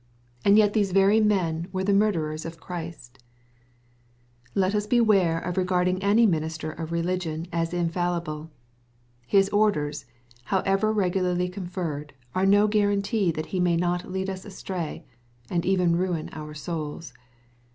And yet these very men were the mur* derers of Christ !' Let us beware of regarding any minister of religion as infallible.^ His orders, however regularly conferred, are no guarantee that he may not lead us astray, and even ruin our souls.